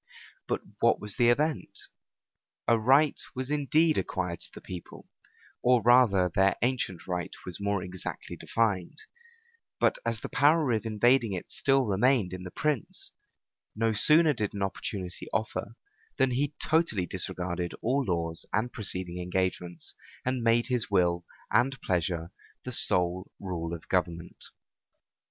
But what was the event? A right was indeed acquired to the people, or rather their ancient right was more exactly defined; but as the power of invading it still remained in the prince, no sooner did an opportunity offer, than he totally disregarded all laws and preceding engagements, and made his will and pleasure the sole rule of government.